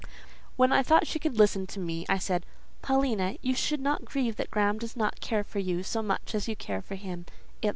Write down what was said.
When I thought she could listen to me, I said—"Paulina, you should not grieve that Graham does not care for you so much as you care for him.